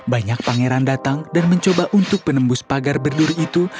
banyak pangeran datang dan mencoba untuk menembus pagar berduri itu